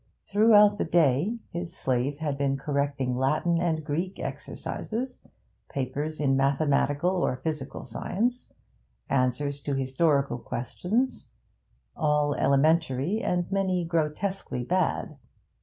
Throughout the day his slave had been correcting Latin and Greek exercises, papers in mathematical or physical science, answers to historical questions: all elementary and many grotesquely bad.